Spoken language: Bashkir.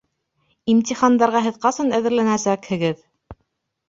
Имтихандарға һеҙ ҡасан әҙерләнәсәкһегеҙ?